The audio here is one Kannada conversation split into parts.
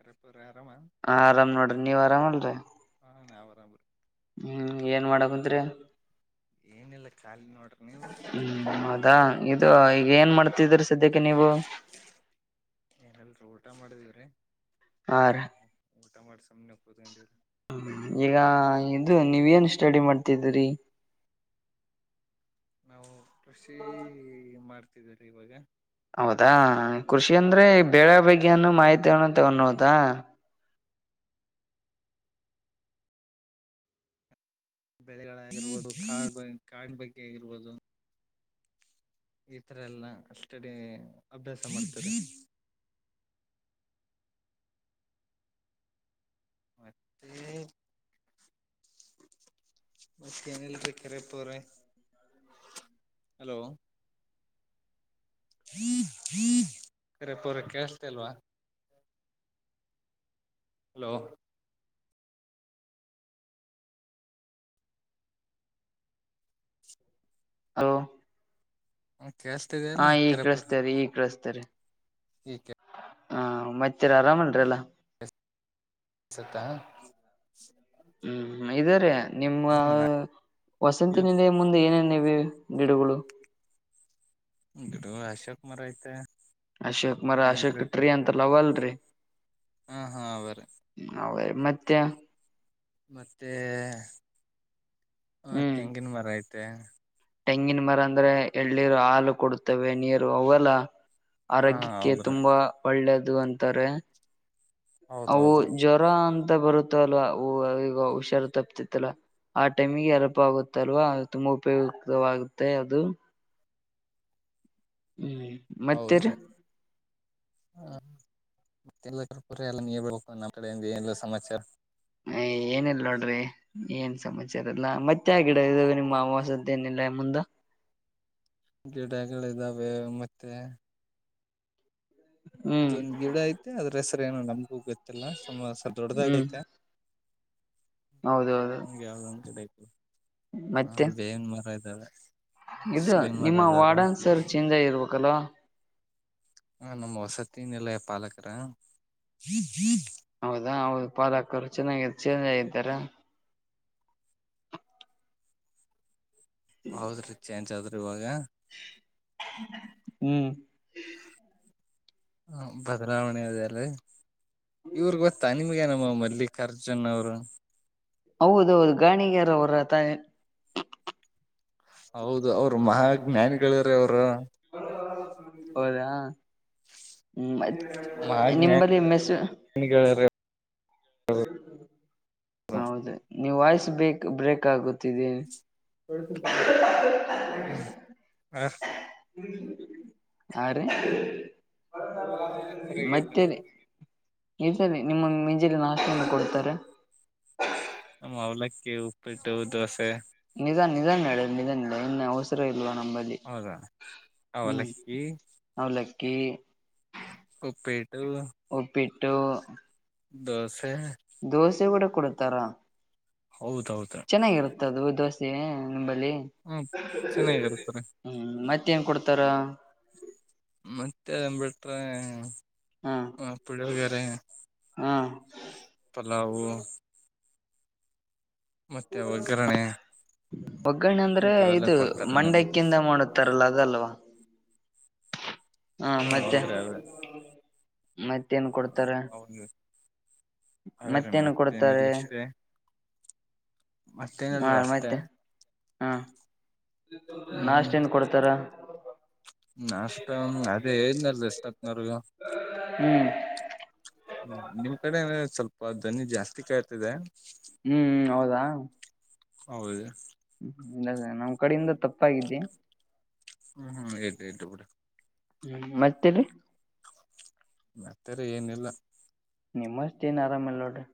ಇನ್ನೊಬ್ಬರ ಯಾರವ ಹ ಆರಾಮ್ ನೋಡ್ರಿ ನೀವ್ರಾಮ್ ಅಲ್ರರಿ ಹಾ ನಾಾವ್ ಆರಾಮ್ ರೀ ಹ್ಮ್ ಏನ್ ಮಾಡಕುತ್ತಿರಿ ಏನಿಲ್ಲ ಖಾಲಿ ನೋಡ್ರಿ ನಿ ಹ್ಮ್ ಹೌದಾ ಇದು ಈಗ ಏನ್ ಮಾಡ್ತಿದ್ರ ಸದ್ಯಕ್ಕೆ ನೀವು ಏನ ಇಲ್ರಿ ಊಟ ಮಾಡಿದಿವ್ರೀ ಹಾರಿ ಊಟ ಮಾಡ್ ಸುಮ್ಮ್ನೆ ಕುಂತ ಕೊಂಡಿವ್ರಿ ಈಗ ಇದು ನೀವ್ ಏನ್ ಸ್ಟಡಿ ಮಾಡ್ತಿದರಿ ನಾವು ಕೃಷಿ ಮಾಡ್ತಿದ್ದಿವರಿ ಇವಾಗ ಹೌದಾ ಕೃಷಿ ಅಂದ್ರೆ ಬೆಳೆ ಬಗ್ಯನು ಮಾಹಿತ ಅನ್ನ ತಗೊಬಹುದು ಬೆಳೆಗಳ ಬಗ್ಗೆ ಆಗಿರಬಹುದು ಕಾಡ ಕಳ ಬಗ್ಗೆ ಆಗಿರ್ಬೋದು. ಈತರ ಎಲ್ಲ ಸ್ಟಡಿ ಅಭ್ಯಾಸ ಮಾಡ್ತರಿ ಹು ಮತ್ತ ಏನ ಇಲ್ಲರಿ ಕೆರೆಪ್ಪ ಅವರೇ [inaudible] ಹಲೋ [unintelligible] ಕರೆಪ್ಪ ಅವರೇ ಕೇಳ್ಸ್ತಾ ಇಲ್ಲ್ವಾ ಹಲೋ ಹಲೋ [inaudible] ಹಾ ಈಗ ಕರಿಯಪ್ಪ ಅವ್ರೆ ಕಳಿಸ್ತಾ ಇದೆ ಈಗ ಕಳಸ್ತಾ ಇದೆ [inaudible] ಹಾ ಮತ್ತರ ಆರಾಮಲ್ರಿ ಯಲ್ಲ ಸತ [inaudible] ಹ್ಮ್ ಇದರಿ ನಿಮ್ಮ ಹ್ಮ್ ನಾ ವಸಂತಿನಿಲಯ ಮುಂದೆ ಏನ ಏನ್ ನೀವಿ ಗಿಡುಗಳು ಇದು ಅಶೋಕಮರ ಐತೆ ಅಶೋಕಮರ ಅಶೋಕ ಕಾಂಕ್ರೀಟ್ ಟ್ರೀ ಅಂತರಲ್ಲಿ ಅವ ಅಲ್ರಿ ಹ ಹಾ ಅವ್ರೀ ಅವೇ ಮತ್ತೆ. ಮತ್ತೆ ಹ್ಮ್ ತೆಂಗಿನಮರ ಐತೆ ತೆಂಗಿನ ಮರ ಅಂದ್ರೆ ಎಳ್ಳಿರು ಹಾಲು ಕೊಡುತ್ತೇವೆ ನೀರು ಅವಲ್ಲ. ಹಾ ಆರೋಗ್ಯಕ್ಕೆ ಹೌದ್ರಿ ತುಂಬಾ ಒಳ್ಳೇದು ಅಂತಾರೆ. ಅವು ಹೌದೌದ್ರಿ ಜ್ವರ ಅಂತ ಬರುತ್ತ ಅಲ್ವಾ ಅವು ಈಗ ಹುಷಾರು ತಪ್ತಿತ್ತಲ್ಲ ಆ ಟೈಮಿಗೆ ಎಲ್ಪ್ ಆಗುತ್ತೆಲ್ವಾ ತುಂಬಾ ಉಪಯುಕ್ತವಾಗುತ್ತೆ ಅದು. ಇಲ್ಲಿ ಹೌದ್ರೀ ಹ ಮತ್ತೆಲ್ಲ ಕ ಪುರ ಎಲ್ಲ ನೀ ಬೆಳ್ಕ ನನ್ನ ಕಡೆಯಿಂದ ಏನ್ ಸಮಾಚಾರ ಏನಲ್ ನೋಡ್ರಿ ಏನ್ ಸಮಾಚಾರ ಅಲ್ಲ ಮತ್ತೆ ಆಗಿಡ ಇಾಗ ನಿಮ್ಮ ಅವಾಸದ್ದ ಏನಿಲ್ಲ ಮುಂದ ಗಿಡಗಳ ಇದ್ದಾವೆ ಮತ್ತೆ ಹ್ಮ್ ಅದೊಂದ್ ಗಿಡ ಐತೆ ಅದ್ರ ಸರ್ ಏನು ನಮ್ಗೂ ಗೊತ್ತಿಲ್ಲ ಸುಂಬ ಸರ್ ಹ್ಮ್ ದೊಡ್ಡದಾಗ ೈಐತೆ ಹೌದೌದು ಯಾವ್ದೊ ಒಂದ ಕಡೆ ಹ ಮತ್ತೆ ಬೇನ್ ಮರ ಇದ್ದಾವೆ ಇದು ಬೇವಿನ ಮರ ನಿಮ್ಮ ಇದಾವ್ರೆ ವಾರ್ಡನ್ ಸರ್ ಚೇಂಜ್ ಆಗಿರ್ಬೇಕಲ್ವಾ ಹ ನಮ್ಮ ವಸತಿ ನಿಲಯ ಪಾಲಕರ ಹೌದಾ ಹೌದು ಪಾಲಕರು ಚೆನ್ನಾಗ ಚೆ ಇದ್ದಾರ ಹೌದ್ರಿ ಚೇಂಜ್ ಆದ್ರಿ ಇವಾಗ ಹ್ಮ್ ಹ ಭದ್ರಾವಣ ದಲ್ಲ ಇವ್ರಗ್ ಗೊತ್ತಾ ನಿಮ್ಗೆ ನಮ್ಮ ಮಲ್ಲಿ ಖರ್ಜುನ ಅವ್ರು ಹೌದೌದು ಗಾಣಿಗರ ಅವರ ತಾಯ ಹೌದು ಅವ್ರು ಮಹಾಾಜ್ಞಾನಿಗಳ್ರೀ ಅವ್ರು ಹೌದಾ ಹ್ಮ್ ನಿಂಬಲ್ಲಿ ಮೆಸು ಮಹಾಜ್ಞಾನಿಗಳಾರೆ ಹೌ ಹೌದು ನೀವು ವಾಯ್ಸ್ ಬೇಕ್ ಬ್ರೇಕ್ ಆಗುತ್ತಿದೀ ಹಾ ಹ್ಮ ಆ ರೀ ಮತ್ತೆ ಆಗೈತಲ್ಲ ಈ ಸರಿ ನಿಮ್ಮ ಮಂಜಲಿ ನಾಶನ್ನು ಕೊಡ್ತಾರೆ ನ ಅವ್ಲಕ್ಕ ಉಪ್ಪಿಟ್ಟು ದೋಸೆ ನಿಜ ನಿಧಾನ ಹೇಳಡ ನಿಜ ನಿ ಇನ್ನ ಅವಸರ ಇಲ್ವಾ ನಂಬಗ್ ಹೌದಾ ಅವಲಕ್ಕಿ ಅವಲಕ್ಕಿ ಉಪ್ಪೇಟ್ಟು ಒಪ್ಪಿಟ್ಟು ದಸ ದೋಸೆ ಕಡ ಕೊಡ್ತಾರಾ ಹೌದೌದು ಮದು ದೋಸೆ ನಿಂಬಲ್ಲಿ ಹ್ಮ ಚೆನ್ನಾಗಿರ್ತಾರೆ ಹ್ಮ್ ಮತ್ತೆ ನ್ ಕೊಡ್ತಾರ ಮತ್ತೆ ಅದನ್ ಬಿಟ್ರೆ ಹಾ ಪುಳಿಯಗ್ಯಾರೆ ಹಾ ಪಲಾವು ಮತ್ತೆ ಒಗ್ಗರಣೆ ಒಗ್ಗರಣೆ ಅಂದ್ರೆ ಇಂಥವೆಲ್ಲ ಇದು ಕೊಡ್ತಾರೆ ನಮ್ಗೆ ಮಂಡಕ್ಕಿಿಂದ ಮಾಡುತ್ತೆ ತರಲ್ಲಗಲ್ವಾ ಹಾ ಮತ್ತೆ ಹೌದ್ರಿ ಅದೇ ಮತ್ತೇನ್ ಕೊಡ್ತಾರೆ ಅವೇ ರೀ ಮತ್ತೇನು ಕೊಡ್ತಾರೆ ಮತ್ತೇನಿರ್ಲಿತ್ತೆ ಮತ್ತೇನಿಲ್ಲ ಆರ ಅಷ್ಟೇ ಮತ್ತೆ ಹಾ ನಾಷ್ಟೇನ್ ಕೊಡ್ತಾರ ನ ಅಷ್ಟ ಅದೇ ದನಾರ ಎಷ್ಟ ಹತ್ನರ್ಗ ಹ್ಮ್ ್ಮ ನಿಮ್ ಕಡೆ ಸ್ವಲ್ಪ ಧನಿ ಜಾಸ್ತಿ ಕಾಯ್ತಿದೆ ಹ್ಮ್ ಹೌದಾ ಹೌದು ಹ್ಮ ಇಲ್ಲ ನಮ್ಮ್ ಕಡೆಯಿಂದ ತಪ್ಪಾಗಿದ್ದೆ ಹ್ಮ್ ಹ್ಮ್ಏ ತುಡ ಹ್ಮ್ ಮತ್ತೇಲ್ ಮತ್ತರ ಏನಿಲ್ಲ ನಿಮಸ್ೇ ಏನ್ ಆರಾಮಲ್ಲ ನೋಡ್ರಿ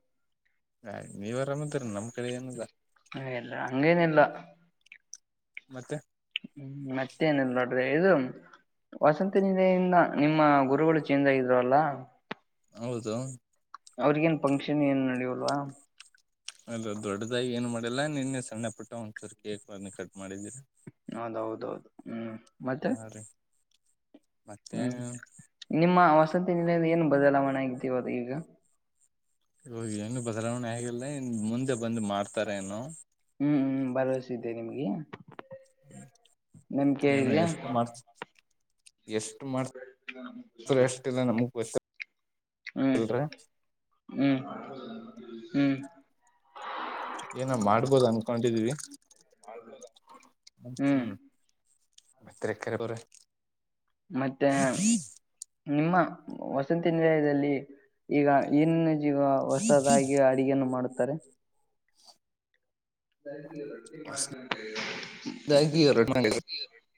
ಹ ನೀವ್ರಾಮದ್ರ ನಮ್ ಕಡೆ ಏನದಾ ಹಲ್ಲ ಅಂಗೇನಲ್ಲ ಮತ್ತೆ ಹ್ಮ್ ಮತ್ತೇ ನಿಲ್ಲ ನೋಡ್ರಿ ಇದು ವಸಂತ ನಿಲೆಯಿಂದ ನಿಮ್ಮ ಗುರುಗಳು ಚೇಂಜ್ ಆಗಿದ್ರುಲ್ಲ ಹೌದು ಅವ್ರಿಗ ನ್ ಫಂಕ್ಷನ್ ಏನ್ ನಡೆಯವಲ್ವಾ ಅದ ದೊಡ್ಡದಾಗಿ ಏನು ಮಾಡಲ್ಲಾ ನಿನ್ನೆ ಸಣ್ಣ ಪುಟ್ಟ ಒಂಚೂರು ಕೇಕ್ ಕಟ್ ಮಾಡಿದೀರಿ ಹೌದೌದೌದು ಹ್ಮ್ ಮತ್ತೆ ಹಾ ರೀ ಮತ್ತೆ ಹ್ಮ್ ನಿಮ್ಮ ವಸತಿ ನಿಲದ ಏನು ಬದಲಾವಣೆ ಆಗಿದ್ದವಾಗ ಈಗ ಈವಾಗ್ ಹೆಂಗ್ ಬದಲಾವಣೆ ಹೇಗಿಲ್ಲ ಇನ್ ಮುಂದೆ ಬಂದು ಮಾಡ್ತಾರ ಏನು ಹ್ಮ್ ಹ್ಮ್ ಭರವಸಿದ್ದೆ ನಿಮ್ಗೆ ಹ್ಮ ನಂಬಿಕೆ ಏನು ಇದೆಯಾ ಎಷ್ಟ ಮಾಡ್ತ ಎಷ್ಟು ಮಾಡ್ತ ಎಷ್ಟಲ್ಲ ನಮಗ್ ಹ್ಮ್ ಗೊತ್ತಿಲ್ರಿ ಹ್ಮ್ ಹ್ಮ್ ಏನ ಮಾಡ್ಬೋದು ಅನ್ಕೊಂಡಿದೀವಿ ಹ್ಮ್ ಬತ್ತರೆಕ್ಕರೊರ ಮತ್ತೆ ನಿಮ್ಮ ವಸಂತಿ ನಿಲಯದಲ್ಲಿ ಈಗ ಏನಿನ ಜೀಗ ಹೊಸದಾಗಿ ಅಡುಿಗೆಯನ್ನು ಮಾಡುತ್ತಾರೆ ಮಾಡ ಹೊಸದಾಗಿ [inaudible]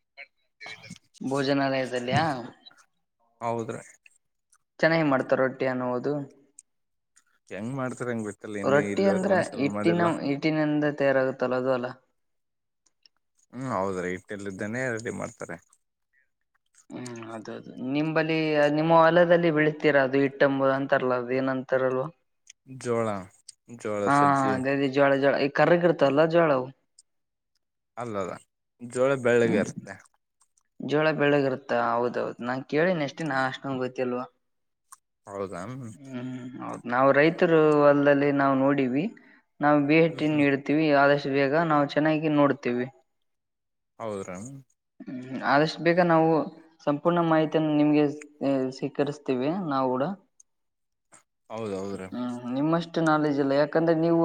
ಭೋಜನಾಲಯದಲ್ಲಿಯಾ ಹೌದ್ರೀ ಚೆನ್ನಾಗಿ ಮಾಡ್ತಾರೆ ರೊಟ್ಟಿ ಅನ್ನವುದು ಹೆಂಗ್ ಮಾಡ್ತಾರ ಹೆಂಗ್ ಬಿತ್ತಲ್ಲ ಇಿಂದ ಇಲ್ಲಿವರೆಗ ಒಂದ್ಸಲ ಮಾಡಿಲ್ಲಾ ಹಟ್ಟಿನಿಂದ ತಯಾರಾಗುತ್ತಲ್ಲ ಅದು ಅಲ್ಲ ಹ್ಮ್ ಹೌದ್ರೀ ಇಟ್ಟೆಲ್ಲ್ದಾನೇ ರೆಡಿ ಮಾಡ್ತಾರೆ [inaudible] ಹ್ಮ್ ಅದ ನಿಂಬಲ್ಲಿ ನಿಮ್ಮ ಹೊಲದಲ್ಲಿ ಬೆಳೀತೀರಾ ಅದು ಹಿಟ್ಟಂಬುದು ಅಂತಾರಲ್ಲ ಅದು ಏನಂತಾರಲ್ವಾ ಜೋಳ ಜೋಳ ಹಾ ಸಜ್ಜಿ ಅದೇ ಜೋಳ ಜೋಳ ಈ ಕರ್ರಗ ಇರ್ತವಲ್ಲಾ ಜೋಳವು ಅಲ್ಲಲ್ಲ ಜೋಳೆ ಬೆಳ್ಳಗೆ ಹ್ಮ್ ಇರುತ್ತೆ ಜೋಳ ಬೆಳಗ್ಿರುತ್ತಾ ಹೌದೌದದು ನಾನ್ ಕೇಳಿ ಎಷ್ಟೇ ನಾ ಅಷ್ಟೊಂದು ಗೊತ್ತಲ್ವಾ ಹ್ಮ್ ಹೌದು ನಾವವು ರೈತರು ಅಲ್ಲಲ್ಲಿ ನಾವವು ನೋಡವಿ ನಾವು ಬಿ ಎ ಟ ಹ್ಮ್ ನೀಡ್ತೀವಿ ಆದಷ್ಟು ಬೇಗ ನಾವು ಚೆನ್ನಾಗಿ ನೋಡ್ತೀವಿ ಹೌದ ರಾಮ ಹ್ಮ ಆದಷ್ಟು ಬೇಗ ನಾವು ಸಂಪೂರ್ಣ ಮಾಹಿತಿಯನ್ನು ನಿಮ್ಗೆ ಸ್ವೀಕರಿಸ್ತೀವಿ ನಾವು ಕೂಡ ಹೌದೌದ್ರೀ ಷ್ಟು ನಾಲೆಜ್ ಇಲ್ಲ ಯಾಕಂದ್ರೆ ನೀವು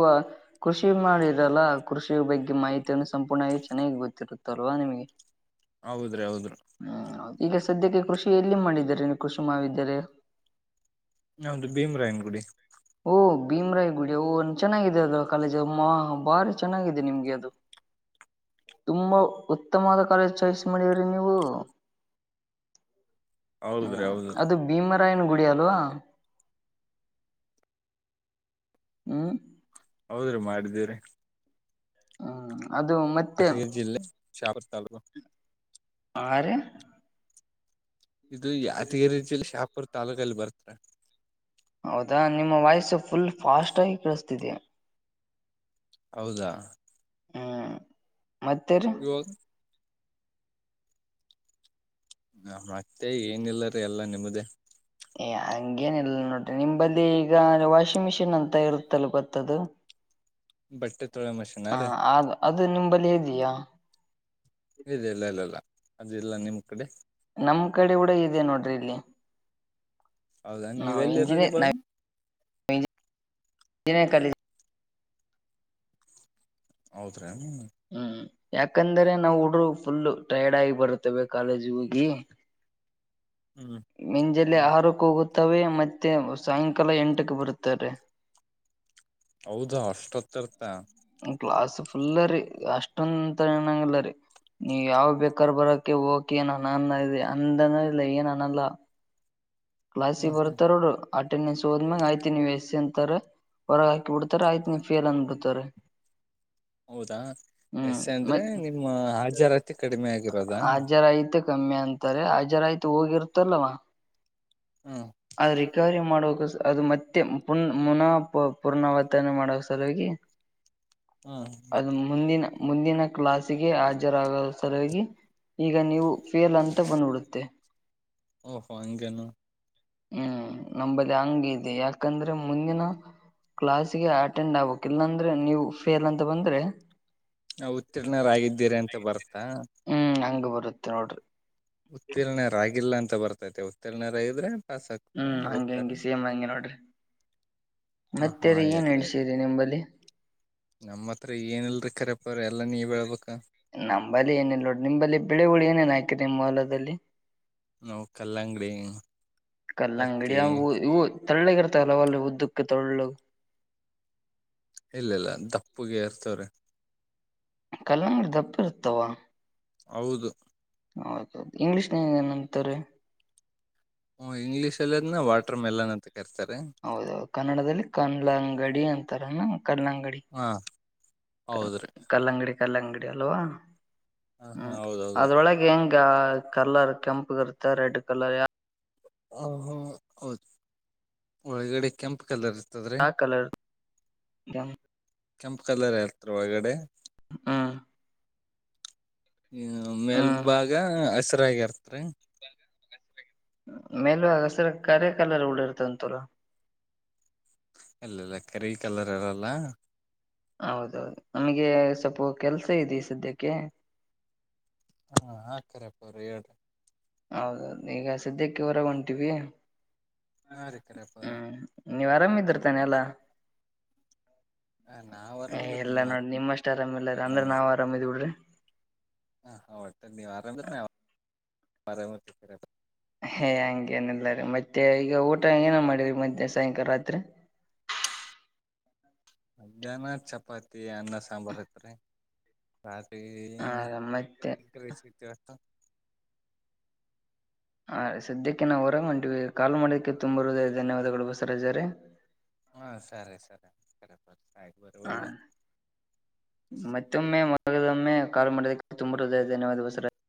ಕೃಷಿ ಮಾಡಿರಲ್ಲ ಕೃಷಿ ಬಗ್ಗೆ ಮಾಹಿತಿಯನ್ನು ಸಂಪೂರ್ಣವಾಗಿ ಚೆನ್ನಾಗಿ ಗೊತ್ತಿರುತ್ತಲ್ವಾ ನಿಮಗೆ ಹೌದ್ರಿ ಹೌದ್ರ ಹ್ಮ್ ಈಗ ಸದ್ಯಕ್ಕೆ ಕೃಷಿ ಎಲ್ಲಿ ಮಾಡಿದ್ದಾರೆ ನೀ ಕೃಷಿ ಮಾಡದ್ದರೆ ನೋಂದು ಭೀಮ ರಾಯನ್ ಗುಡಿ ಓಹ ಭೀಮ್ರಾಯಿ ಗುಡಿ ಓ ಚೆನ್ನಾಗಿದೆ ಅದು ಕಾಲೇಜ್ ಭಾರಿ ಚೆನ್ನಾಗಿದೆ ನಿಮ್ಗೆ ಅದು [inaudible] ತುಂಬಾ ಉತ್ತಮವಾದ ಚಾಯ್ಸ್ ಮಾಡ್ರಿ ನೀವು ಹ್ಮ ಹೌದ್ರಿ ಹೌದು ಅದು ಭೀಮರಾಯನ ಗುಡಿ ಅದು ಹ್ಮ ಹೌದ್ರಿ ಮಾಡಿದ್ದೀರಿ ಹ್ಮ್ ಅದು ಮತ್ತೆ ಯಾದಗಿರಿ ಜಿಲ್ಲೆ ಶಹಾಪುರ ತಾಲೂಕು ಆ ರೀ ಇದು ಯಾದಗಿರಿ ಜಿಲ್ಲೆ ಶಾಹಪುರ್ ತಾಲೂಕಲ್ಲಿ ಬರ್ತ ಹೌದಾ ನಿಮ್ಮ ವಾಯ್ಸ ಫುಲ್ ಫಾಸ್ಟ್ ಆಗಿ ಕಳಿಸ್ತ ಹೌದಾ ಹ್ಮ್ ಮತ್ತೆ ರೀ ಯ ಹ ಮತ್ತೆ ಏನಿಲ್ಲರಿ ಎಲ್ಲಾ ನಿಮ್ಮ್ ದೇ ರಿ ಏ ಹಂಗೇನ ಇಲ್ಲ ನೋಡ್ರಿ ನಿಮ್ಮ ಬಲ್ಲಿ ಈಗ ವಾಷಿಂಗ್ ಮಿಷಿನ್ ಅಂತ ಇರುತ್ತಲ್ ಗೊತ್ತದು [inaudible] ತೊಳೆ ಮಷೀನ ಹ ರೀ ಅ ಅದು ನಿಂಬಲ್ಲಿ ಇದೀಯಾ ಇದೆ ಇಲ್ಲ ಅಲ್ಲಲ್ಲ ಅದು ಇಲ್ಲ ನಿಮ್ ಕಡೆ ನಮ್ ಕಡೆ ಕೂಡ ಇದೆ ನೋಡ್ರಿ ಇಲ್ಲಿ ಹೌದಾ ನೀವ್ ನಾವು ಎಲ್ಲಿ ಇರೋದು ಇವಾಗ ಇಂಜಿನಿಯರ್ [unintelligible] ಹೌದ್ರೀ ಹ್ಮ ಹ್ಮ್ ಯಾಕಂದ್ರೆ ನಾವು ಹುಡರು ಫುಲ್ ಟೈರ್ಡ್ ಆಗಿ ಬರ್ತವೆ ಕಾಲೇಜ ಹೋಗಿ ಹ ಮುಂಜಲೆ ಆರುಕ್ಕ ಹೋಗುತ್ತವೆ ಮತ್ತೆ ಸಾಯಂಕಾಲ ಎಂಟಕ್ಕೆ ಬರುತ್ತಾರೆ ಹೌದಾ ಅಷ್ಟೊತ್ತರ್ತ ಗ್ಲಾಸ್ ಫುಲ್ರಿ ಅಷ್ಟೊಂದಂತ ನಂಗಿಲ್ಲರಿ ನೀವ್ ಯಾವಗ ಬೇಕಾರ್ ಬರೋಕೆ ಹೋಗಕಿ ಏನ್ ಅನನ್ನ ಇದೆ ಅಂದನ ಇಲ್ಲ ಏನ್ ಅನಲ್ಲ ಕ್ಲಾಸಿಗೆ ಹ್ಮ್ ಹ್ಮ್ ಬರ್ತಾರೋರು ಅಟೆಂಡೆನ್ಸ್ ಹೋದ್ಮಾಗ ಆಯ್ತಿ ನೀವು ಎಸ್ ಅಂತಾರೆ ಹೊರಗೆ ಹಾಕಿ ಬಿಡ್ತಾರೆ ಆಯ್ತಿ ನೀವ್ ಫೇಲ್ ಅನ್ ಬಿಡ್ತಾರೆ ಹೌದಾ ಎಸೆ ಅಂದ್ರೆ ಮತ್ ನಿಮ್ಮ ಹಜಾರತಿ ಕಡಿಮೆ ಆಗಿರೋದಾ [unintelligible] ಕಮ್ಮಿ ಅಂತಾರೆ ಹಾಜರ ಆಯ್ತು ಹೋಗಿರ್ತಲ್ವಾ ಹಾ ಅದು ರಿಕವರಿ ಮಾಡುವಕ ಅದು ಮತ್ತೆ ಪು ಮುನ ಪ ಪುನರಾವರ್ತನೆ ಮಾಡುವ ಸಲುವಾಗಿ ಹ್ಮ್ ಅದು ಮುಂದಿನ ಮುಂದಿನ ಕ್ಲಾಸಿಗೆ ಹಾಜರಾಗುವ ಸಲಾಗಿ ಈಗ ನೀವು ಫೇಲ್ ಅಂತ ಬಂದಬಿಡುತ್ತೆ ಓಹೋ ಹಂಗೇನು ಹ್ಮ್ ನಂಬಲ್ಲಿ ಹಂಗ ಇದೆ ಯಾಕಂದ್ರೆ ಮುಂದಿನ ಕ್ಲಾಸ್ಗೆ ಅಟೆಂಡ್ ಆಗ್ಬೇಕಕ್ ಇಲ್ಲಾಂದ್ರೆ ನೀವು ಫೇಲ್ ಅಂತ ಬಂದ್ರೆ ನಾ ಉತ್ತೀರ್ಣರಾಗಿದ್ದೀರಿ ಅಂತ ಬರ್ತಾ ಹ್ಮ್ ಹಂಗ ಬರುತ್ತೆ ನೋಡ್ರಿ ಉತ್ತೀರ್ಣ ರಾಗಿಲ್ಲ ಅಂತ ಬರ್ತೈತೆ ಉತ್ತೀರ್ಣರಾಗಿದ್ರೆ ಪಸ್ ಹಾಕ್ತಾರೆ ಹ್ಮ್ ಹಂಗೆ ಹೋಗ್ತಾರೆ ಹಂಗೆ ಸೇಮ್ ಹಂಗೆ ನೋಡ್ರಿ ಹ ಮತ್ತೆ ಹಾ ರೀ ಏನ್ ಇಲ್ಲ ನಡ್ಸಿರಿ ನಿಂಬಲ್ಲಿ ನಮ್ಮತ್ರ ಏನಿಲ್ಲ ಕರೆಪ್ಪರೆ ನೀವೇ ಹೇಳಬೇಕು ನಂಬಲ್ಲಿ ಏನೇನು ನೋಡ್ ನಿಂಬಲ್ಲಿ ಬೆಳೆಗಳು ಏನೇನ್ ಹಾಕರಿ ನಿಮ್ಮ ಹೊಲದಲ್ಲಿ ನಾವು ಕಲ್ಲಂಗಡಿ ಕಅಂಗಡಿ ಹತ್ತಿ ಅಂಗಡಿ ಇವು ತಳ್ಳ್ಣಗಿರ್ತಲ್ಲ ಅಲ್ಲಿ ಉದ್ದಕ್ಕೆ ತೊಳ್ಳೊಳ್ಳು ಇಲ್ಲಲ್ಲ ದಪ್ಪಗೆ ಇರ್ತವ್ರ ಕಲ್ಲಂಗಡಿ ದಪ್ಪ ಇರ್ತವ ಹೌದು ಹೌದೌದು ಇಂಗ್ಲೀಷ್ ಏನಂತಾರೆ ಹ್ಮ ಇಂಗ್ಲೀಷ್ಲ್ಲಿ ಅದನ್ನ ವಾಟರ್ ಮೆಲನ್ ಅಂತ ಕರಿತಾರೆ ಹೌದೌ ಕನ್ನಡದಲ್ಲಿ ಕಲ್ಲಂಗಡಿ ಅಂತಾರ ಕಲಂಗಡಿ ಹಾ ಕ ಹೌದ್ರಿ ಕಲಂಗಡಿ ಕಲಂಗಡಿ ಅಲವಾ ಹ ಹಾ ಹ್ಮ್ ಹೌದೌದ್ರೀ ಅದ್ರೊಳಗೆ ಹೆಂಗ ಕಲರ್ ಕೆಂಪಗಿರುತ್ತೆ ರೆಡ್ ಕಲರ್ ಯಾವ ಹಹ ಹೌದು ಒಳಗಡೆ ಕೆಂಪ್ ಕಲರ್ ಇ ಹ ಕಲರ್ ಕೆಂಪು ಕೆಂಪ ಕಲರ್ ಹತ್ ಒಳಗಡೆ ಹ್ಮ್ ಹ ಮೇಲ್ಭಾಗ ಹ್ಮ್ ಹಸಿರಾಗಿರ್ತ್ರಿ ಮೇಲ್ ಆಾಗ ಸರ ಕರೆ ಕಲರ್ ಉಳ ಇರ್ತಂತರ ಇಲ್ಲಲ್ಲ ಕೆರಿ ಕಲರ್ ಅರಲ್ಲ ಹೌದೌದು ನಮಗೆ ಸ್ವಲ್ಪ ಕೆಲ್ಸ ಇದೆ ಸದ್ಯಕ್ಕೆ ಹಾ ಹಾಕರಪ್ಪ ಅವ್ರ ಹೇಳ್ರಿ ಹೌದೌದು ಈಗ ಸದ್ಯಕ್ಕೆ ಹೊರಗ ಹೊಂಟಿವವಿ ಹಾ ರೀ ಕರಿಯಪ್ಪ ಅವರೇ ನೀವ್ ಆರಾಮಿದಿರ್ತಾನೆ ಎಲ್ಲಾ ಹಾ, ನಾವ್ ಆರಾಮದ್ರಿ ಎಲ್ಲಾ ನೀವ್ ನೋಡಿ ನಿಮಮ್ಮಷ್ಟೇ ಆರಾಮ ಇಲ್ಲ ಅಂದ್ರೆ ನಾವ್ ಆರಾಮ ಇದ್ ಬಿಡ್ರಿ ನೀವು ಆರಾಮ್ ಇದ್ರೆ ನಾವ್ ಆರಾಮ್ ಇರ್ತೀವಿ ಹೇ ಹಂಗಗೆನೆಲ್ಲ ರೀ ಮತ್ತೆ ಈಗ ಊಟ ಏನ ಮಾಡಿರಿ ಮಧ್ಯಾೆ ಸಾಯಂಕಾಲ ರಾತ್ರಿ ಮಧ್ಯಾಹ್ನ ಚಪಾತಿ ಅನ್ನ ಸಾಂಬಾರ್ ಐತ್ ರರಿ ರಾತ್ರಿ ಹ ಮತ್ತೆ ರೈಸ್ ಐತೆ ಗೊತ್ತು ಹಾ ರೀ ಸದ್ಯಕ್ಕೆ ನಾವವು ಹೊರ ಮಾಡಂವಿ ಕಾಲ್ ಮಾಡೋಕ್ಕೆ ತುಂಬರುವುದೇ ಧನ್ಯವಾದಗಳು ಬಸವರಾಜ ರೀ ಹಾ ಸರಿ ಸರಿ ಸರಿ ಬರಿ ಆಯ್ತು ಬರರಿ ಹ ಹೋಗಿ ಬ ಮತ್ತೊಮ್ಮೆ ಮದೊಮ್ಮೆ ಕಾಲು ಮಾಡದಕ್ಕೆ ತುಂಬಾ ಹೃದಯ ಧನ್ಯವಾದಸರ